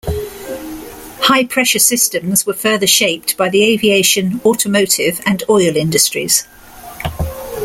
High-pressure systems were further shaped by the aviation, automotive, and oil industries.